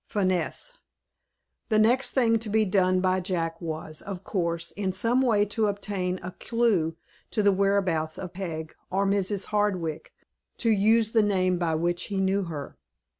FINESSE. THE next thing to be done by Jack was, of course, in some way to obtain a clew to the whereabouts of Peg, or Mrs. Hardwick, to use the name by which he knew her.